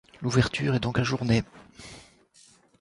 L'ouverture est donc ajournée.